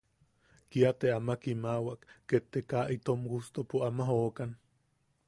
Kia te junama kimawak, ket te kaa itom gustopo ama jokan.